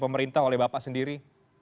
pemerintah oleh bapak sendiri